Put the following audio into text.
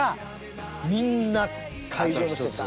みんな会場の人たち